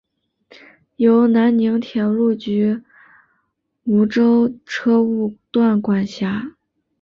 由南宁铁路局梧州车务段管辖。